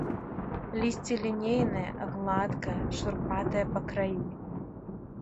Лісце лінейнае, гладкае, шурпатае па краі.